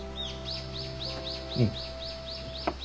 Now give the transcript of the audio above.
うん。